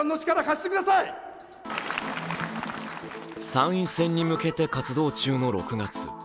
参院選に向けて活動中の６月。